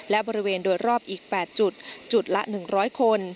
และบริเวณโดยรอบอีก๘จุดจุดละ๑๐๐คน